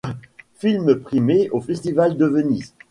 Film primé au festival de Venise.